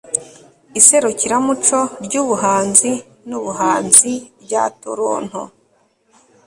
iserukiramuco ryubuhanzi nubuhanzi rya toronto